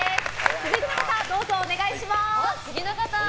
続いての方お願いします。